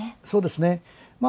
そうですね。